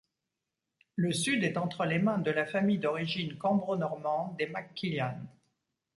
Le sud est entre les mains de la famille d'origine cambro-normande des MacQuillan.